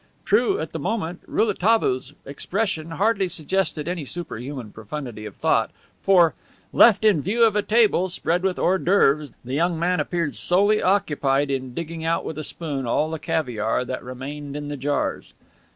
True, at the moment Rouletabille's expression hardly suggested any superhuman profundity of thought, for, left in view of a table, spread with hors d'oeuvres, the young man appeared solely occupied in digging out with a spoon all the caviare that remained in the jars.